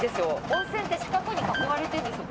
温泉って四角に囲われてるんですよ